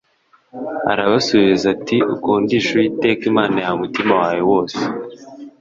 arabasubiza ati “Ukundishe Uwiteka Imana yawe umutima wawe wose… “